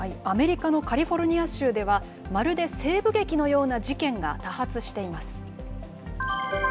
アメリカのカリフォルニア州では、まるで西部劇のような事件が多発しています。